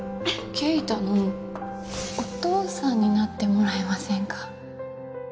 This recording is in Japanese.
圭太のお父さんになってもらえませんか？